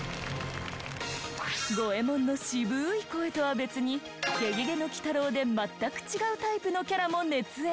五ェ門の渋い声とは別に『ゲゲゲの鬼太郎』で全く違うタイプのキャラも熱演。